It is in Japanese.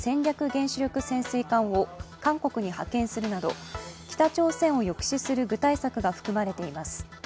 原子力潜水艦を韓国に派遣するなど北朝鮮を抑止する具体策が含まれています。